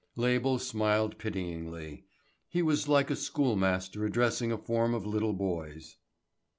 Label smiled pityingly. He was like a schoolmaster addressing a form of little boys.